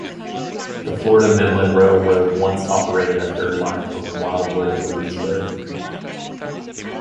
The Florida Midland Railroad once operated a third line from Wildwood to Leesburg.